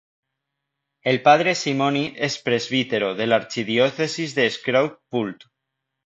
El padre Simoni es presbítero de la Archidiócesis de Shkodrë-Pult.